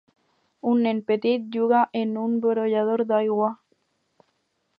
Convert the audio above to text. Un nen petit juga en un brollador d'aigua.